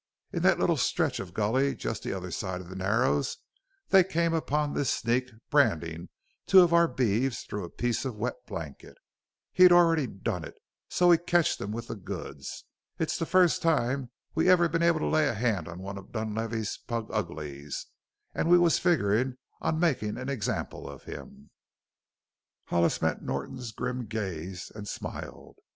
In that little stretch of gully just the other side of the Narrows they came upon this sneak brandin' two of our beeves through a piece of wet blanket. He'd already done it an' so we ketched him with the goods. It's the first time we've ever been able to lay a hand on one of Dunlavey's pluguglies, an' we was figgerin' on makin' an example of him." Hollis met Norton's grim gaze and smiled.